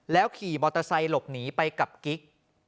ขี่มอเตอร์ไซค์หลบหนีไปกับกิ๊ก